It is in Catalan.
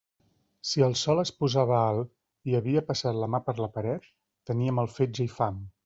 Si el sol es posava alt, i havia passat la mà per la paret, tenia mal fetge i fam.